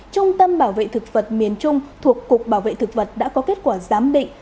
trung tâm bảo vệ thực vật miền trung thuộc cục bảo vệ thực vật đã có kết quả giám định